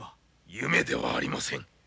夢ではありません。